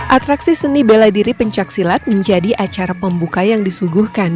atraksi seni bela diri pencaksilat menjadi acara pembuka yang disuguhkan